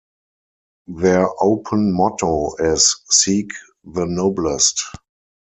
Their open motto is Seek the Noblest.